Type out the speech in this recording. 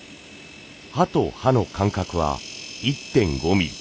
歯と歯の間隔は１．５ミリ。